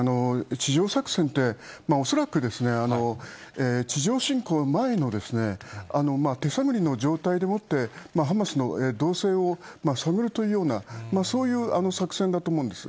地上作戦って、恐らく地上侵攻の前の手探りの状態でもって、ハマスの動静を探るというような、そういう作戦だと思うんです。